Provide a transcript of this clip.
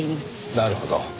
なるほど。